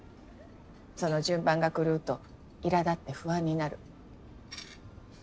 その順番が狂うといら立って不安になる。